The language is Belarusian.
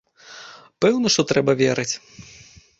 Пэўна, што трэба верыць.